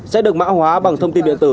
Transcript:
sẽ được mã hóa bằng thông tin điện tử